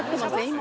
今。